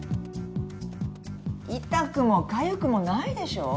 痛くもかゆくもないでしょ？